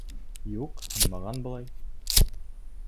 — Юҡ, һынмаған былай.